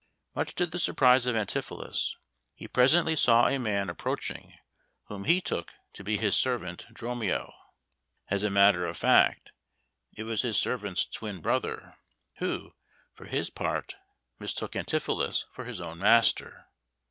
Much to the surprise of Antipholus, he presently saw a man approaching whom he took to be his servant Dromio. As a matter of fact, it was his servant's twin brother, who, for his part, mistook Antipholus for his own master.